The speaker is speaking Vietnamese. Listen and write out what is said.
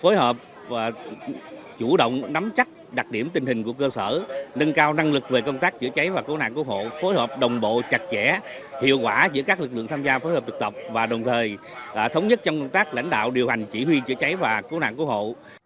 phối hợp và chủ động nắm chắc đặc điểm tình hình của cơ sở nâng cao năng lực về công tác chữa cháy và cứu nạn cứu hộ phối hợp đồng bộ chặt chẽ hiệu quả giữa các lực lượng tham gia phối hợp thực tập và đồng thời thống nhất trong công tác lãnh đạo điều hành chỉ huy chữa cháy và cứu nạn cứu hộ